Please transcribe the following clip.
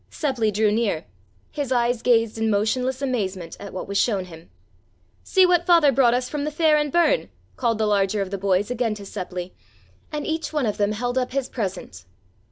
Seppli drew near; his eyes gazed in motionless amazement at what was shown him. "See what Father brought us from the fair in Berne," called the larger of the boys again to Seppli, and each one of them held up his present.